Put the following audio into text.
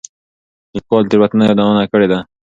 ليکوال تېروتنه يادونه کړې ده.